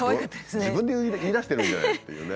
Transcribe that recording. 自分で言いだしてるんじゃないっていうね。